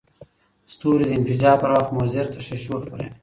ستوري د انفجار پر وخت مضر تشعشع خپروي.